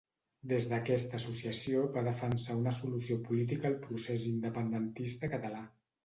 Des d'aquesta associació va defensar una solució política al procés independentista català.